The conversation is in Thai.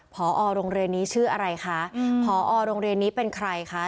พอโรงเรียนนี้ชื่ออะไรคะพอโรงเรียนนี้เป็นใครคะ